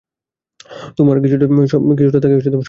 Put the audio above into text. তোমার কিছুটা তাকে সময় দেওয়া উচিত।